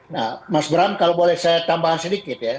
nah mas bram kalau boleh saya tambahkan sedikit ya